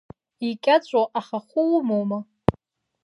Икьаҿу ахахәы умоума?